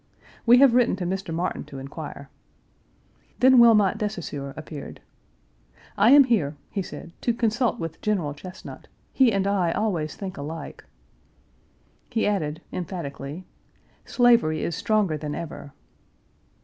We have written to Mr. Martin to inquire. Then Wilmot de Saussure appeared. "I am here," he said, "to consult with General Chesnut. He and I always think alike." He added, emphatically: "Slavery is stronger than ever."